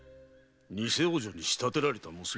偽王女に仕立てられた娘？